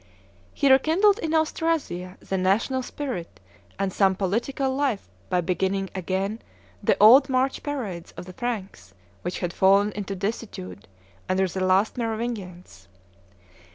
He rekindled in Austrasia the national spirit and some political life by beginning again the old March parades of the Franks, which had fallen into desuetude under the last Merovingians.